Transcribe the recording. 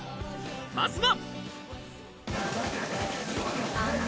まずは。